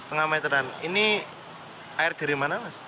setengah meteran ini air dari mana mas